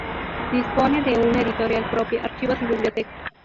Dispone de una editorial propia, archivos y biblioteca.